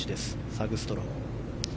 サグストロム。